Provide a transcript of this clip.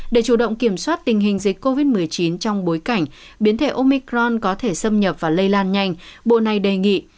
để chủ động kiểm soát tình hình dịch covid một mươi chín trong bối cảnh biến thể omicron có thể xâm nhập và lây lan nhanh bộ này đề nghị